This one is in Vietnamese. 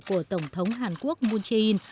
của tổng thống hàn quốc moon jae in